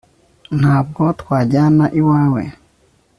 ntabwo twajyana iwawe